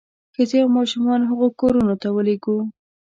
ښځې او ماشومان هغو کورونو ته ولېږو.